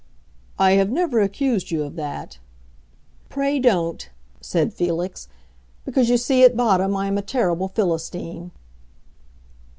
"I have never accused you of that." "Pray don't," said Felix, "because, you see, at bottom I am a terrible Philistine."